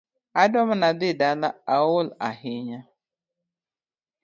Adwa mana dhii dala aol ahinya